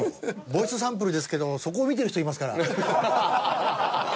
ボイスサンプルですけどそこ見てる人いますから。